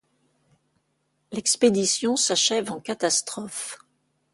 L'expédition s'achève en catastrophe.